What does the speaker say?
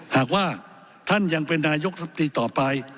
หากว่าท่านยังเป็นนายกรัฐมนตรีต่อไป